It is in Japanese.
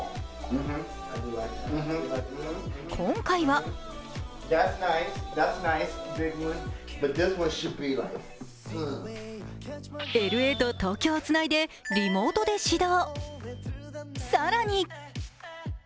今回はＬＡと東京をつないでリモートで指導。